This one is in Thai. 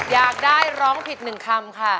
อยากได้ร้องผิด๑คำค่ะ